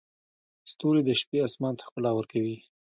ستوري د شپې اسمان ته ښکلا ورکوي.